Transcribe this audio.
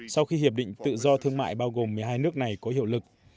sau khi hiệp định tự do thương mại bao gồm một mươi hai nước này có hiệu lực